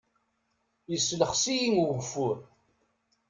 Yeslexs-iyi ugeffur.